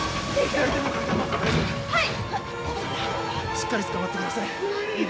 しっかりつかまってください。